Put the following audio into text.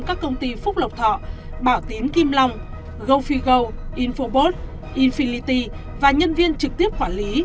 các công ty phúc lộc thọ bảo tín kim long go free go infobot infinity và nhân viên trực tiếp quản lý